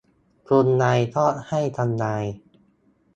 คุณนายชอบให้ทำนาย